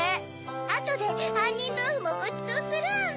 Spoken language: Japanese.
あとであんにんどうふもごちそうするアン。